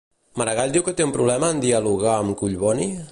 Maragall diu que té un problema en dialogar amb Collboni?